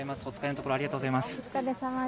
お疲れのところありがとうございます。